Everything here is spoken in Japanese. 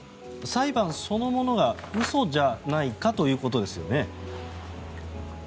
裁判そのものが嘘じゃないかということですよね。